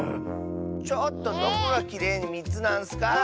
⁉ちょっとどこがきれいに３つなんッスか！